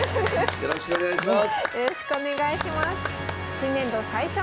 よろしくお願いします。